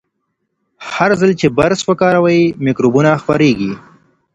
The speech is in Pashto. هر ځل چې برس وکاروئ، میکروبونه خپریږي.